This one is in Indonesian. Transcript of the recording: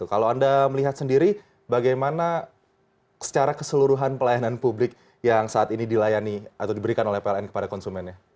kalau anda melihat sendiri bagaimana secara keseluruhan pelayanan publik yang saat ini dilayani atau diberikan oleh pln kepada konsumennya